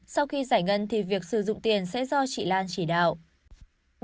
sau khi giải ngân thì việc sử dụng tiền sẽ do chị lan chỉ đạo